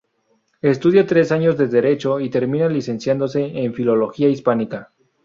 Estudia tres años de Derecho, y termina licenciándose en Filología Hispánica.